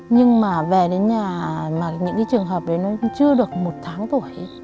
nhưng mà về đến nhà mà những trường hợp ấy nó chưa được một tháng tuổi